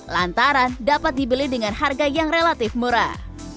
lantaran dapat dibeli dengan harga yang relatif murah